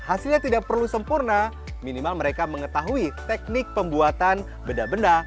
hasilnya tidak perlu sempurna minimal mereka mengetahui teknik pembuatan benda benda